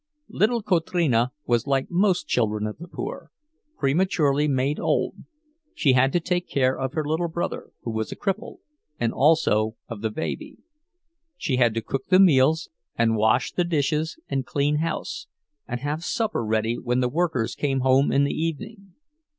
Little Kotrina was like most children of the poor, prematurely made old; she had to take care of her little brother, who was a cripple, and also of the baby; she had to cook the meals and wash the dishes and clean house, and have supper ready when the workers came home in the evening.